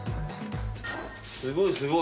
すごいすごい。